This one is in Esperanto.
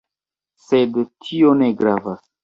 Sed tio ne gravas